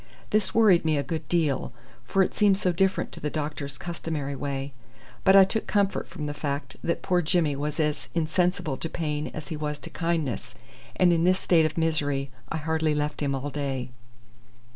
This worried me a good deal, for it seemed so different to the doctor's customary way; but I took comfort from the fact that poor Jimmy was as insensible to pain as he was to kindness, and in this state of misery I hardly left him all day.